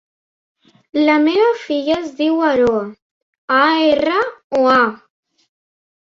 La meva filla es diu Aroa: a, erra, o, a.